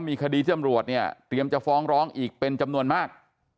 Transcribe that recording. มีคดีจำรวจเนี่ยเตรียมจะฟ้องร้องอีกเป็นจำนวนมาก